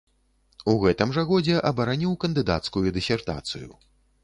У гэтым жа годзе абараніў кандыдацкую дысертацыю.